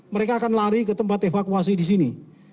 mereka akan lari ke tempat evakuasi di sini